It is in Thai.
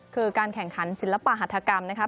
คือการแข่งขันศิลปหัฐกรรมนะครับ